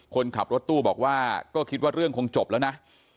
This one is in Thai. คนขับรถตู้บอกว่าก็คิดว่าเรื่องคงจบแล้วนะ